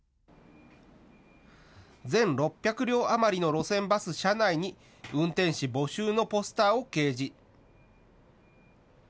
全６００両余りの路線バス車内に運転士募集のポスターを掲示。